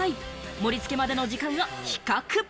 盛り付けまでの時間を比較。